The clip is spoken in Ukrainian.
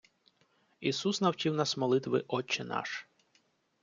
Ісус навчив нас молитви Отче наш.